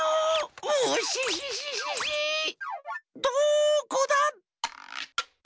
どこだ？